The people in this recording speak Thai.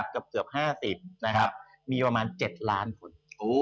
เกือบ๕๐มีประมาณ๗ล้านคน